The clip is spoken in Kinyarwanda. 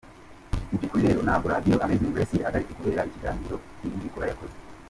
Mu by’ukuri rero ntabwo Radio Amazing Grace ihagaritswe kubera ikiganiro Niyibikora yakoze.